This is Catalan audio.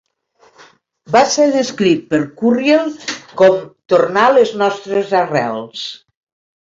Va ser descrit per Curiel com "tornar les nostres arrels".